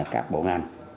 các bộ ngành